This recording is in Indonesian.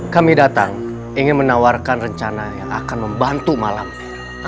kami datang ingin menawarkan rencana yang akan membantu malamnya